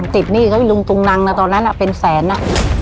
ติดเนี่ยเขาไปฝืนทุงนางนะตอนนั้นเป็นแสนน่ะ